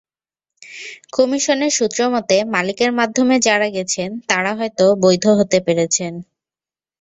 কমিশনের সূত্রমতে, মালিকের মাধ্যমে যাঁরা গেছেন, তাঁরা হয়তো বৈধ হতে পেরেছেন।